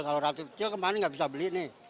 kalau rakyat kecil kemarin nggak bisa beli ini